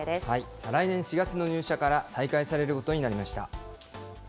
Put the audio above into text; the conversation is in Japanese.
再来年４月の入社から再開されることになりました。